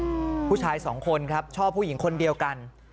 ผู้ชายสองคนครับชอบผู้หญิงคนเดียวกัน